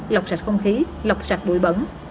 lọc sạch không khí lọc sạch bụi bẩn